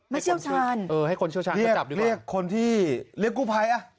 ไม่เชี่ยวชาญเรียกคนที่กูไภ